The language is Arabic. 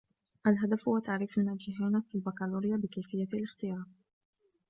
الهدف هو تعريف الناجحين في الباكالوريا بكيفية الاختيار